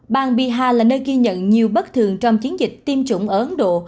bang biha là nơi ghi nhận nhiều bất thường trong chiến dịch tiêm chủng ở ấn độ